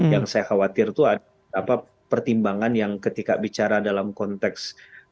yang saya khawatir itu ada pertimbangan yang ketika bicara dalam konteks